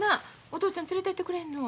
お父ちゃん連れてってくれるの？